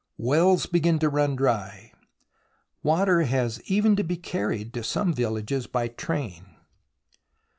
Wells begin to run dry. Water has even to be carried to some villages by train.